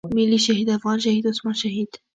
ملي شهيد افغان شهيد عثمان شهيد.